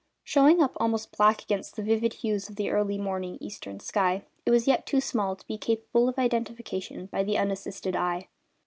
Showing up almost black against the vivid hues of the early morning eastern sky it was yet too small to be capable of identification by the unassisted eye.